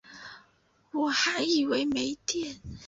我还以为没电